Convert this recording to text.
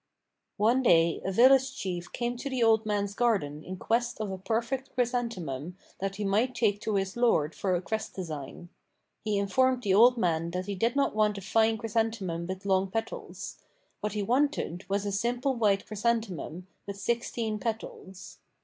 One day a village chief came to the old man's garden in quest of a perfect chrysanthemum that he might take to his lord for a crest design. He informed the old man that he did not want a fine chrysanthemum with long petals. What he wanted was a simple white chrysanthemum with sixteen petals.